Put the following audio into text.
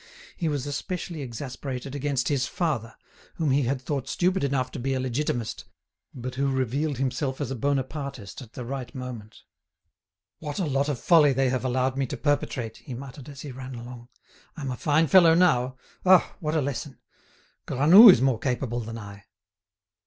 He was especially exasperated against his father, whom he had thought stupid enough to be a Legitimist, but who revealed himself as a Bonapartist at the right moment. "What a lot of folly they have allowed me to perpetrate," he muttered as he ran along. "I'm a fine fellow now. Ah! what a lesson! Granoux is more capable than I."